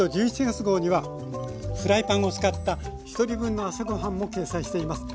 １１月号にはフライパンを使ったひとり分の朝ごはんも掲載しています。